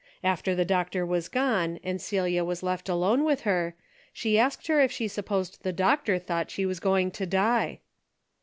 After the doctor was gone and Celia was left alone with her, she asked her if she supposed the doctor thought she was going to die.